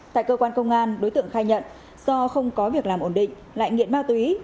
tại cơ quan công an đối tượng khai nhận do không có việc làm ổn định lại nghiện ma túy